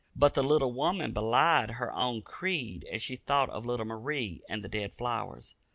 But the little woman belied her own creed as she thought of little Marie and the dead flowers.